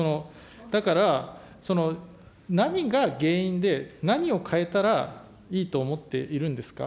だから、何が原因で、何を変えたらいいと思っているんですか。